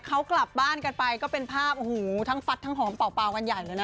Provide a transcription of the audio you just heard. เขากลับบ้านกันไปก็เป็นภาพโอ้โหทั้งฟัดทั้งหอมเป่ากันใหญ่เลยนะ